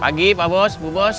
pagi pak bos bu bos